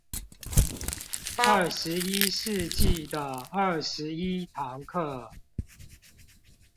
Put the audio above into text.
二十一世紀的二十一堂課